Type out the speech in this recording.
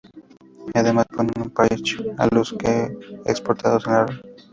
Además, pone un 'peaje' a los kWh exportados a la red.